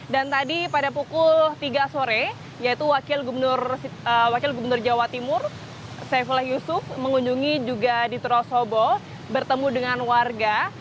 dan tadi pada pukul tiga sore yaitu wakil gubernur jawa timur saifulah yusuf mengunjungi juga di trosobo bertemu dengan warga